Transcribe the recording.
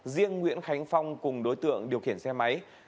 riêng nguyễn khánh phong cùng đối tượng điều khiển xe máy